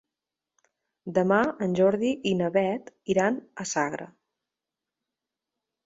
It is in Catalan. Demà en Jordi i na Beth iran a Sagra.